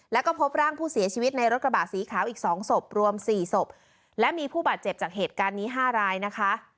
แล้วก็พบร่างผู้เสียชีวิตในรถกระบะสีขาวอีกสองศพรวมสี่ศพและมีผู้บาดเจ็บจากเหตุการณ์นี้ห้ารายนะคะ